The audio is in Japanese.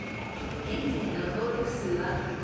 ［現在の登録数は５１件］